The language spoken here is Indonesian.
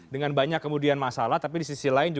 dengan banyak kemudian masalah tapi di sisi lain